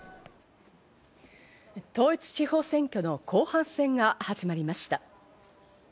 統一地方選挙の後半戦が始まりました。